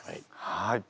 はい。